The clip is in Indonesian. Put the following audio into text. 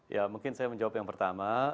ya mungkin saya menjawab yang pertama